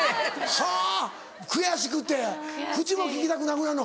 はぁ悔しくて口も利きたくなくなるの？